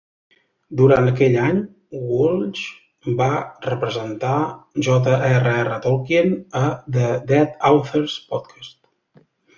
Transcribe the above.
Durant aquell any, Walsh va representar J. R. R. Tolkien a "The Dead Authors Podcast".